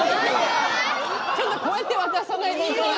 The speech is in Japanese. こうやって渡さないといけない。